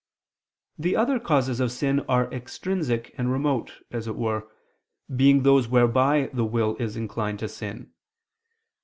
The other causes of sin are extrinsic and remote, as it were, being those whereby the will is inclined to sin.